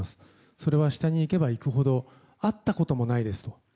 それは下にいけばいくほど会ったこともないですと。